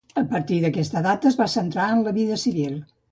A partir d'aquesta data es va centrar en la vida civil.